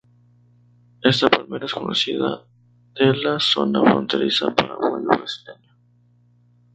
Esta palmera es conocida de la zona fronteriza paraguayo-brasileña.